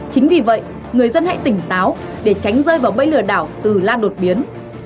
chính vì vậy người dân hãy tỉnh táo để tránh rơi vào bẫy lừa đảo từ lan đột biến